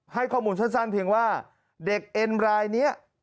ให้ข้อมูลสั้นเพียงว่าเด็กเอ็นรายนี้